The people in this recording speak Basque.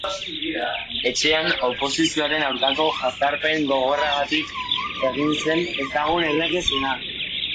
Etxean, oposizioaren aurkako jazarpen gogorragatik egin zen ezagun errege zena.